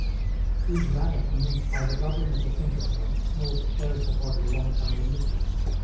These latter commence by the doubling of the centrosome, a small spherical body alongside the nucleus.